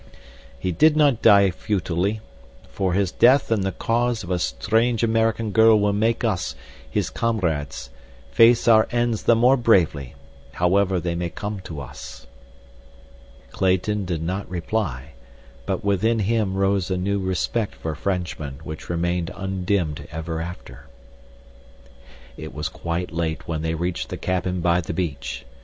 "He did not die futilely, for his death in the cause of a strange American girl will make us, his comrades, face our ends the more bravely, however they may come to us." Clayton did not reply, but within him rose a new respect for Frenchmen which remained undimmed ever after. It was quite late when they reached the cabin by the beach.